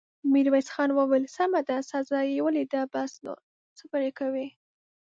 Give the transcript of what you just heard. ميرويس خان وويل: سمه ده، سزا يې وليده، بس، نور څه پرې کوې!